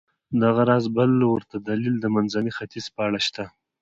دغه راز بل ورته دلیل د منځني ختیځ په اړه شته.